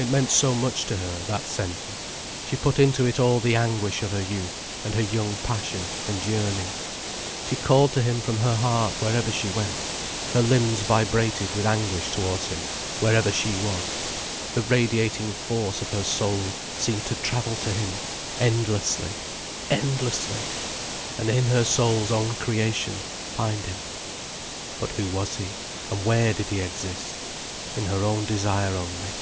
It meant so much to her, that sentence—she put into it all the anguish of her youth and her young passion and yearning. She called to him from her heart wherever she went, her limbs vibrated with anguish towards him wherever she was, the radiating force of her soul seemed to travel to him, endlessly, endlessly, and in her soul's own creation, find him. But who was he, and where did he exist? In her own desire only.